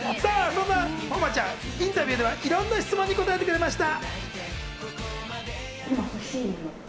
そんな誉ちゃん、インタビューではいろんな質問に答えてくれました。